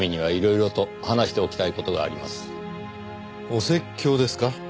お説教ですか？